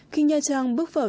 khi nha trang bước vào